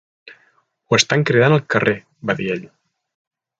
"Ho estan cridant al carrer, va dir ell.